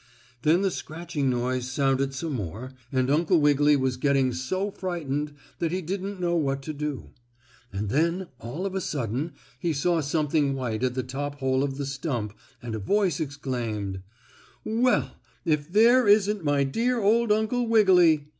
Then the scratching noise sounded some more, and Uncle Wiggily was getting so frightened that he didn't know what to do. And then, all of a sudden, he saw something white at the top hole of the stump, and a voice exclaimed: "Well, if there isn't my dear old Uncle Wiggily!